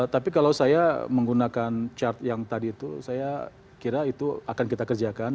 tapi kalau saya menggunakan chart yang tadi itu saya kira itu akan kita kerjakan